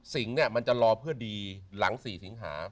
สิงห์เนี่ยมันจะรอเพื่อดีหลัง๔สิงหา